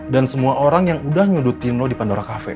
dan semua orang yang udah nyudutin lo di pandora cafe